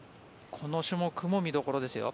この種目も見どころですよ。